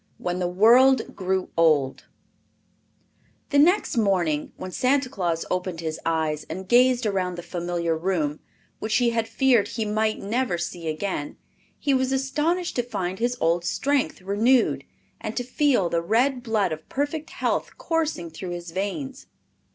When the World Grew Old The next morning, when Santa Claus opened his eyes and gazed around the familiar room, which he had feared he might never see again, he was astonished to find his old strength renewed and to feel the red blood of perfect health coursing through his veins.